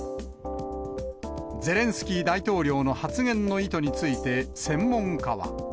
ゼレンスキー大統領の発言の意図について、専門家は。